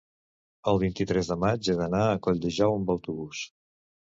el vint-i-tres de maig he d'anar a Colldejou amb autobús.